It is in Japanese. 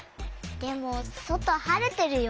でもそとはれてるよ。